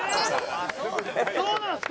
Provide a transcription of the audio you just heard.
そうなんですか？